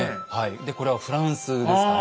でこれはフランスですかね。